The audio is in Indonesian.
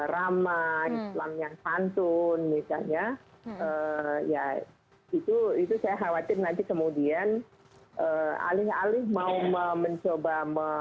rama islam yang santun misalnya ya itu itu saya khawatir nanti kemudian alih alih mau mencoba